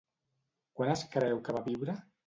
Quan es creu que va viure?